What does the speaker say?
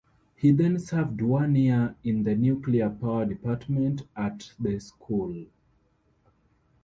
He then served one year in the Nuclear Power Department at the school.